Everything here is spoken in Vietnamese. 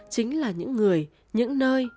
chính là những người những nơi